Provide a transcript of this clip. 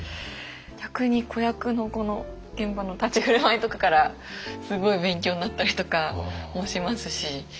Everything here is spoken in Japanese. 逆に子役の子の現場の立ち居振る舞いとかからすごい勉強になったりとかもしますし。